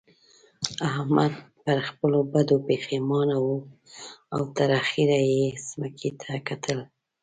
احمد پر خپلو بدو پېښمانه وو او تر اخېره يې ځمکې ته کتل.